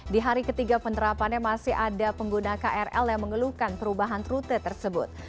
di hari ketiga penerapannya masih ada pengguna krl yang mengeluhkan perubahan rute tersebut